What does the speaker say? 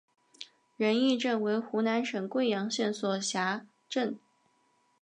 仁义镇为湖南省桂阳县所辖镇。